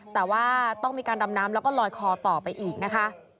แต่ว่าต้องมีการดำน้ำแล้วก็ลอยคอต่อไปอีกนะคะ